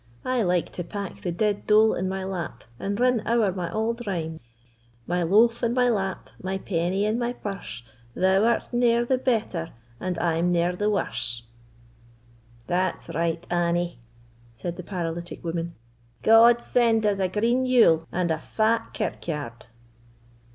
I like to pack the dead dole in my lap and rin ower my auld rhyme— My loaf in my lap, my penny in my purse, Thou art ne'er the better, and I'm ne'er the worse." "That's right, Annie," said the paralytic woman; "God send us a green Yule and a fat kirkyard!"